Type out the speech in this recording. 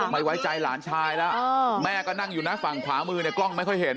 ไม่ไว้ใจหลานชายแล้วแม่ก็นั่งอยู่นะฝั่งขวามือเนี่ยกล้องไม่ค่อยเห็น